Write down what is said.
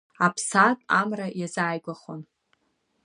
Аԥсаатә амра иазааигәахон.